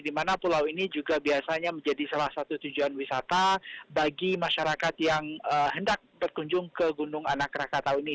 di mana pulau ini juga biasanya menjadi salah satu tujuan wisata bagi masyarakat yang hendak berkunjung ke gunung anak rakatau ini